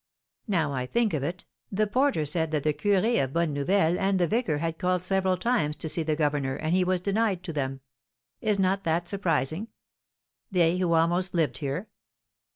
"Now I think of it, the porter said that the curé of Bonne Nouvelle and the vicar had called several times to see the governor, and he was denied to them. Is not that surprising? they who almost lived here!"